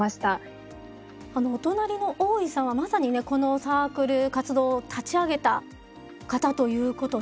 お隣の大井さんはまさにねこのサークル活動を立ち上げた方ということで。